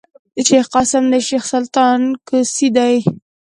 شېخ قاسم د شېخ سلطان کوسی دﺉ.